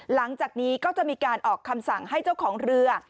หลังจากนี้ก็จะมีการออกคำสั่งให้เจ้าของเรือ